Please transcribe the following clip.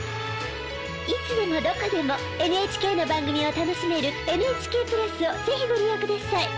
いつでもどこでもＮＨＫの番組を楽しめるＮＨＫプラスを是非ご利用ください。